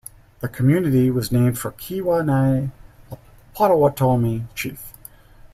The community was named for Kee-Wau-Nay, a Potawatomi chief.